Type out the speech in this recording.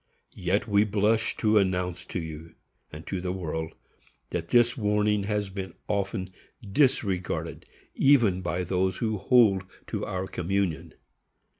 Yet we blush to announce to you and to the world that this warning has been often disregarded, even by those who hold to our communion.